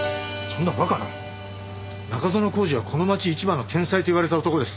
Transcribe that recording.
中園宏司はこの町一番の天才と言われた男です。